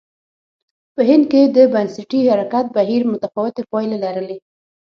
په هند کې د بنسټي حرکت بهیر متفاوتې پایلې لرلې.